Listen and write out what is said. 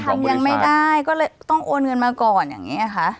มันก็เลยทำยังไม่ได้ก็เลยต้องโอนเงินมาก่อนอย่างเงี้ยค่ะ